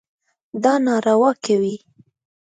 دا ناروا کوي.